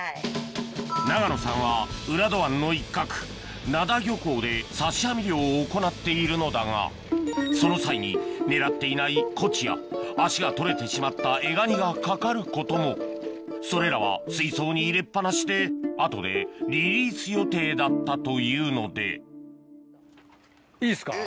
永野さんは浦戸湾の一角灘漁港で刺し網漁を行っているのだがその際に狙っていないコチや足が取れてしまったエガニがかかることもそれらは水槽に入れっ放しで後でリリース予定だったというのでいいですか？